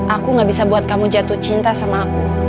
aku gak bisa buat kamu jatuh cinta sama aku